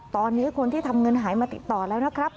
ตอนนี้คนที่ทำเงินหายมาติดต่อแล้วนะครับ